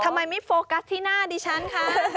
ทำไมไม่โฟกัสที่หน้าดิฉันคะ